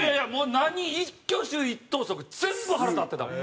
何一挙手一投足全部腹立ってたもん。